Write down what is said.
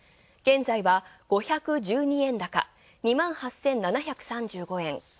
現在は５１２円高、２万８７３５円。